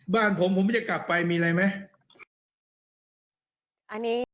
บ้านผมผมจะกลับไปมีอะไรไหม